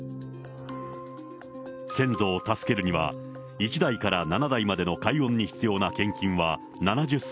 先祖を助けるには、１代から７代までの解怨に必要な献金は７０数。